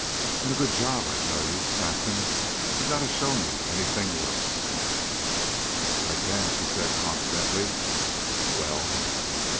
"An' a good job. I tell you, Saxon, you gotta show me anything worse." "I can," she said confidently. "Well?"